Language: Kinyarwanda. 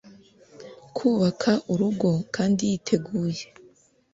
kubaka urugo kandi yiteguye